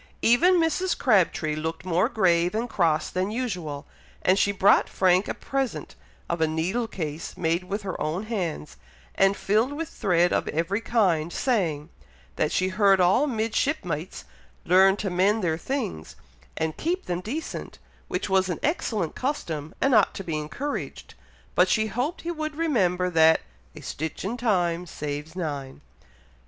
Even Mrs. Crabtree looked more grave and cross than usual; and she brought Frank a present of a needle case made with her own hands, and filled with thread of every kind, saying, that she heard all "midshipmites" learned to mend their things, and keep them decent, which was an excellent custom, and ought to be encouraged; but she hoped he would remember, that "a stitch in time saves nine."